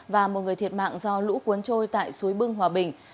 và một người thiệt mạng do lũ cuốn trôi tại suối bưng hòa bình